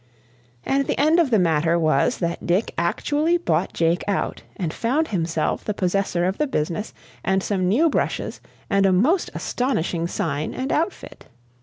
And the end of the matter was that Dick actually bought Jake out, and found himself the possessor of the business and some new brushes and a most astonishing sign and outfit.